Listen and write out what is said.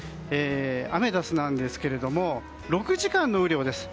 アメダスなんですが６時間の雨量です。